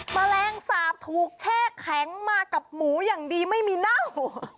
แมลงสาปถูกแช่แข็งมากับหมูอย่างดีไม่มีเน่า